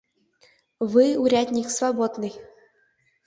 Вы, урядник, свободны.